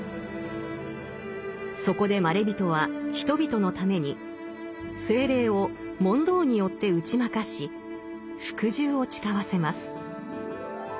そこでまれびとは人々のために精霊を「問答」によって打ち負かし服従を誓わせます。